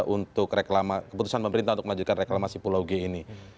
untuk keputusan pemerintah untuk melanjutkan reklamasi pulau g ini